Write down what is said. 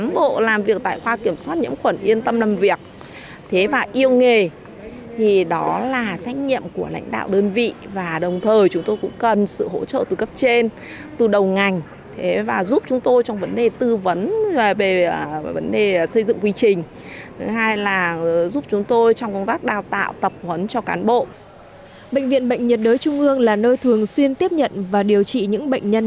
bệnh viện bệnh nhiệt đới trung ương là nơi thường xuyên tiếp nhận và điều trị những bệnh nhân